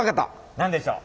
何でしょう。